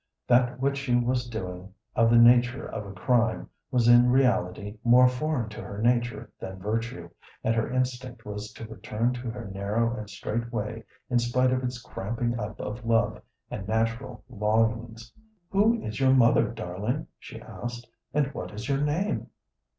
That which she was doing of the nature of a crime was in reality more foreign to her nature than virtue, and her instinct was to return to her narrow and straight way in spite of its cramping of love and natural longings. "Who is your mother, darling?" she asked. "And what is your name?"